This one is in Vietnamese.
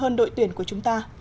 hơn đội tuyển của chúng ta